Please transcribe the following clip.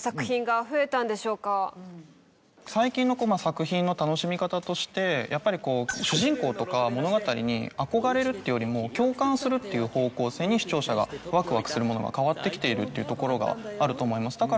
最近の作品の楽しみ方としてやっぱり主人公とか物語に憧れるっていうよりも共感するっていう方向性に視聴者がワクワクするものが変わってきているっていうところがあると思います。